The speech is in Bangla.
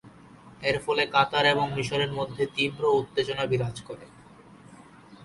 এর ফলে কাতার এবং মিশরের মধ্যে তীব্র উত্তেজনা বিরাজ করে।